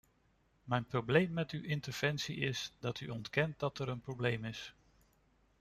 Mijn probleem met uw interventie is, dat u ontkent dat er een probleem is.